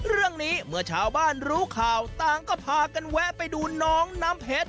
เรื่องนี้เมื่อชาวบ้านรู้ข่าวต่างก็พากันแวะไปดูน้องน้ำเพชร